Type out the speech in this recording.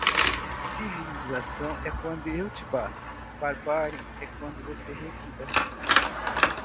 Civilização é quando eu te bato, barbárie é quando você revida